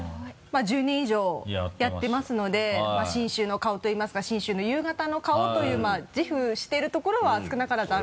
まぁ１０年以上やってますので信州の顔といいますか信州の夕方の顔という自負してるところは。